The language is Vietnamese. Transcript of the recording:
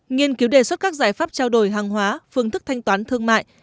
nghiên cứu đề xuất các giải pháp trao đổi hàng hóa phương thức thanh toán thương mại